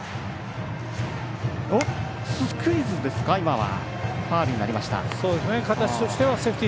スクイズですか、今は。